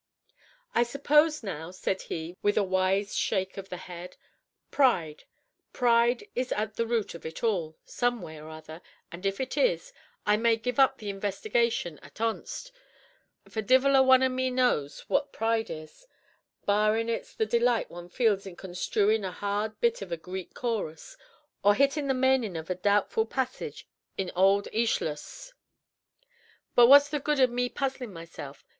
"I suppose, now," said he, with a wise shake of the head, "pride pride is at the root of it all, some way or other; and if it is, I may give up the investigation at onst, for divil a one o' me knows what pride is, barrin' it's the delight one feels in consthruin' a hard bit in a Greek chorus, or hittin' the manin' of a doubtful passage in ould Æschylus. But what's the good o' me puzzlin' myself?